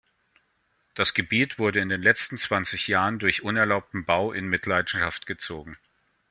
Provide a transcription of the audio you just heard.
Das Gebiet wurde in den letzten zwanzig Jahren durch unerlaubten Bau in Mitleidenschaft gezogen.